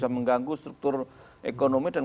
mengganggu struktur ekonomi